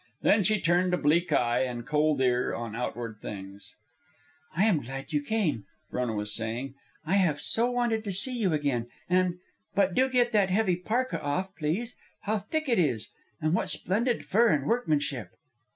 Then she turned a bleak eye and cold ear on outward things. "I am glad you came," Frona was saying. "I have so wanted to see you again, and but do get that heavy parka off, please. How thick it is, and what splendid fur and workmanship!"